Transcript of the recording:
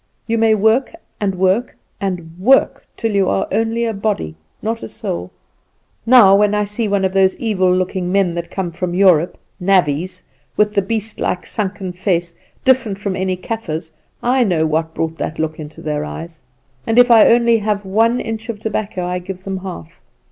You may work, and work, and work, till you are only a body, not a soul. Now, when I see one of those evil looking men that come from Europe navvies, with the beast like, sunken face, different from any Kaffer's I know what brought that look into their eyes; and if I have only one inch of tobacco I give them half.